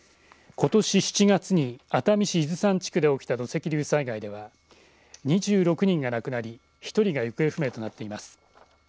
ことし７月に熱海市伊豆山地区で起きた土石流災害では２６人が亡くなり１人が行方不明となっています。